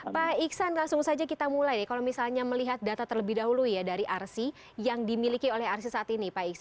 pak ihsan langsung saja kita mulai kalau misalnya melihat data terlebih dahulu dari arsi yang dimiliki oleh arsi saat ini